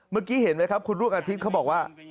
เมื่อกี้เห็นไหมครับคุณลูกอาทิตย์เขาบอกว่า